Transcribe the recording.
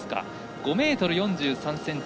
５ｍ４３ｃｍ。